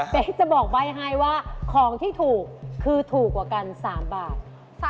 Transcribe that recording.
เป็นจะบอกใบ้ให้ว่าของที่ถูกคือถูกกว่ากัน๓บาท